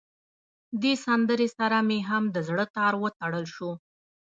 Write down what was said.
دې سندره سره مې هم د زړه تار وتړل شو.